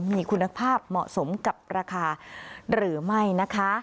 มีคุณภาพเหมาะสมกับราคาหรือไม่นะคะ